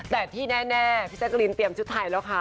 แต่ที่แน่พี่แจ๊กรีนเตรียมชุดไทยแล้วค่ะ